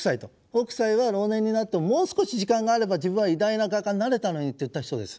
北斎は老年になってももう少し時間があれば自分は偉大な画家になれたのにと言った人です。